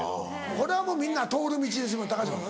これはもうみんな通る道です